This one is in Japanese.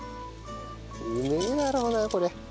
うめえだろうなこれ。